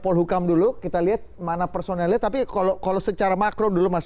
polhukam dulu kita lihat mana personelnya tapi kalau secara makro dulu mas